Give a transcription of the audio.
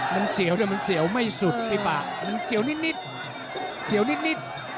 มันเสียวแต่มันเสียวไม่สุดพี่ปากมันเสียวนิดเสียวนิด